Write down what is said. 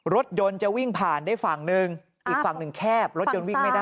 รถยนต์จะวิ่งผ่านได้ฝั่งหนึ่งอีกฝั่งหนึ่งแคบรถยนต์วิ่งไม่ได้